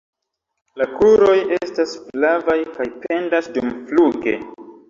La kruroj estas flavaj kaj pendas dumfluge.